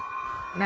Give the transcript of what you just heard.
何？